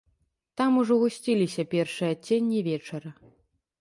Там ужо гусціліся першыя адценні вечара.